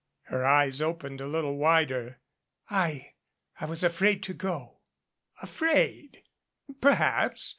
Her eyes opened a little wider. "I I was afraid to go." "Afraid! Perhaps.